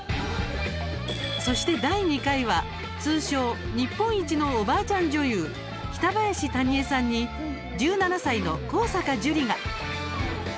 そして第２回は通称日本一のおばあちゃん女優北林谷栄さんに１７歳の上坂樹里が。